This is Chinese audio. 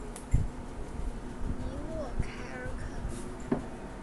尼沃凯尔肯。